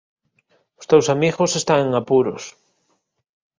Os teus amigos están en apuros.